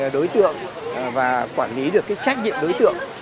đối tượng và quản lý được trách nhiệm đối tượng